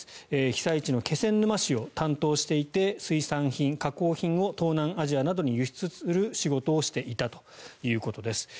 被災地の気仙沼市を担当していて水産品、加工品を東南アジアなどに輸出する仕事をしていたということです。